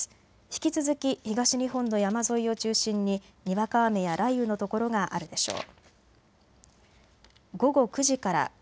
引き続き東日本の山沿いを中心ににわか雨や雷雨の所があるでしょう。